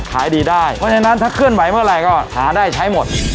ขายดีได้เพราะฉะนั้นถ้าเคลื่อนไหวเมื่อไหร่ก็หาได้ใช้หมด